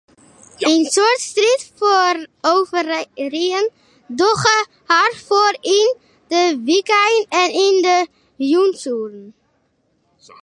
In soad strjitrôverijen dogge har foar yn it wykein en yn de jûnsoeren.